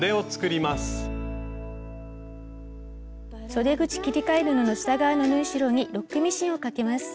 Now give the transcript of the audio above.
そで口切り替え布の下側の縫い代にロックミシンをかけます。